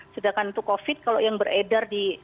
sedangkan untuk covid kalau yang beredar di